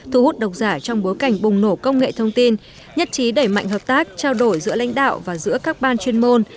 thu hút độc giả trong bối cảnh bùng nổ công nghệ thông tin nhất trí đẩy mạnh hợp tác trao đổi giữa lãnh đạo và giữa các ban chuyên môn